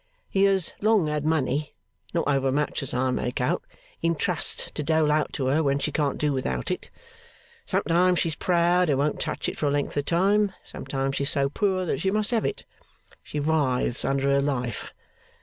He has long had money (not overmuch as I make out) in trust to dole out to her when she can't do without it. Sometimes she's proud and won't touch it for a length of time; sometimes she's so poor that she must have it. She writhes under her life.